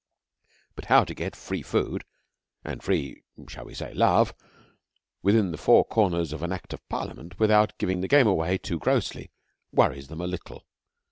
But how to get free food, and free shall we say love? within the four corners of an Act of Parliament without giving the game away too grossly, worries them a little.